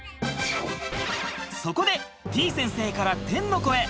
そこでてぃ先生から天の声。